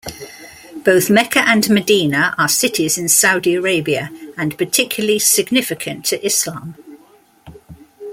Both Mecca and Medina are cities in Saudi Arabia and particularly significant to Islam.